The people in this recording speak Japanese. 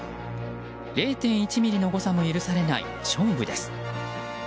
０．１ｍｍの誤差も許されない勝負です。